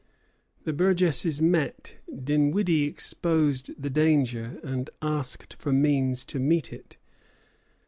The burgesses met. Dinwiddie exposed the danger, and asked for means to meet it.